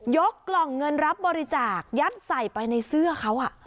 กล่องเงินรับบริจาคยัดใส่ไปในเสื้อเขา